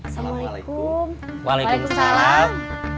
ya assalamualaikum waalaikumsalam